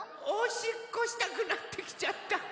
おしっこしたくなってきちゃった。